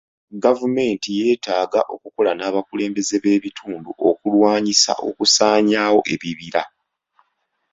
Gavumenti yeetaaga okukola n'abakulembeze b'ebitundu okulwanyisa okusaanyaawo ebibira.